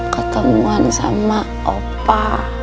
ketemuan sama opa